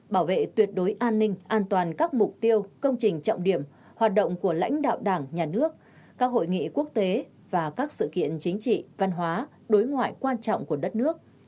bảo vệ tuyệt đối an ninh an toàn các mục tiêu công trình trọng điểm hoạt động của lãnh đạo đảng nhà nước các hội nghị quốc tế và các sự kiện chính trị văn hóa đối ngoại quan trọng của đất nước